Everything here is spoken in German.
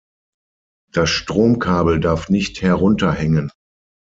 Das Stromkabel darf nicht herunterhängen.